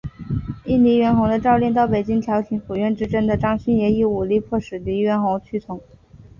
应黎元洪的召令到北京调停府院之争的张勋也以武力迫使黎元洪屈从。